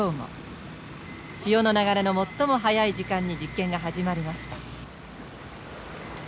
潮の流れの最も速い時間に実験が始まりました。